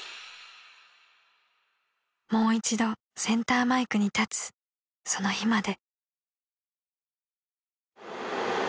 ［もう一度センターマイクに立つその日まで］